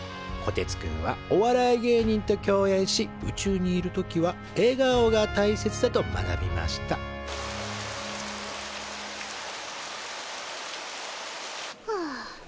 こてつくんはお笑い芸人と共演し宇宙にいる時はえがおがたいせつだと学びましたはあ。